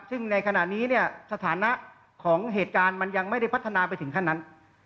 ซึ่งในขณะนี้เนี่ยสถานะของเหตุการณ์มันยังไม่ได้พัฒนาไปถึงขั้นนั้น